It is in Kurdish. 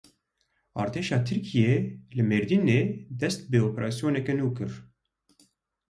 Artêşa Tirkiyeyê li Mêrdînê dest bi operasyoneke nû kir.